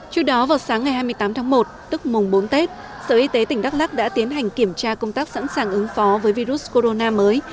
trước đó vào sáng ngày hai mươi tám tháng một tức mùng bốn tết sở y tế tỉnh đắk lắc đã tiến hành kiểm tra công tác sẵn sàng ứng phó với virus corona mới